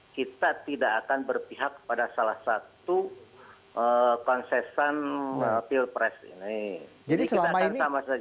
kita tidak akan berpihak pada salah satu konsesan pilpres ini